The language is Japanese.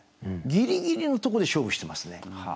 ギリギリのとこで勝負してますね。